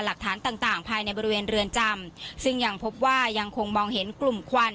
หลักฐานต่างต่างภายในบริเวณเรือนจำซึ่งยังพบว่ายังคงมองเห็นกลุ่มควัน